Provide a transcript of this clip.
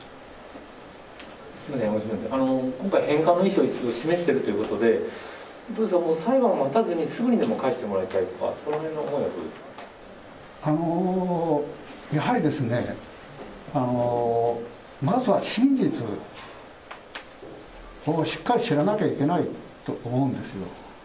今回、返還の意思を示しているということで、裁判待たずにすぐにでも返してもらいたいのか、やはりですね、まずは真実をしっかり知らなきゃいけないと思うんですよ。